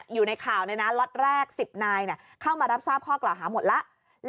อยู่ในข่าวล็อตแรก๑๐นายเข้ามารับทราบข้อกล่าวหาหมดแล้ว